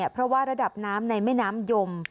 เพราะว่าระดับน้ำในแม่น้ำยม